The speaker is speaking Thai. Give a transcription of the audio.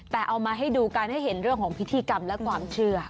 แต่เอามาให้ดูกันให้เห็นเรื่องของพิธีกรรมและความเชื่อ